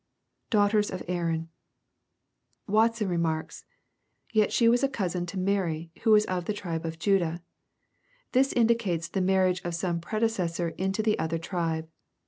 [Daughiers of Aaron.] Watson remarks, " Yet she was cousin to Mary, who was of the tribe of Judah. This indicates the mar riage of some predecessor into the other tribe.